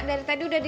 dari tadi udah di